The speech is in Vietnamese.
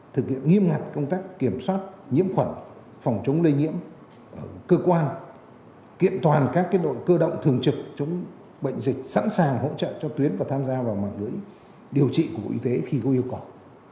thực hiện nghiêm ngặt công tác kiểm soát nhiễm khuẩn phòng chống lây nhiễm ở cơ quan kiện toàn các đội cơ động thường trực chống bệnh dịch sẵn sàng hỗ trợ cho tuyến và tham gia vào mạng lưới điều trị của bộ y tế khi có yêu cầu